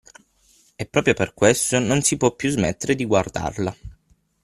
E proprio per questo non si può più smettere di guardarla.